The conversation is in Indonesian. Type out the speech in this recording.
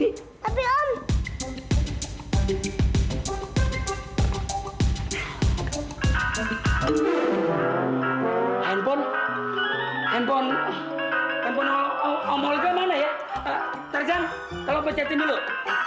hai handphone handphone handphone omol kemana ya terjang kalau pencet dulu